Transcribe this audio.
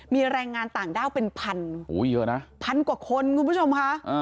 มีแรงงานต่างด้าวเป็นพันพันกว่าคนคุณผู้ชมคะ